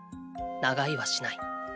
長居はしない。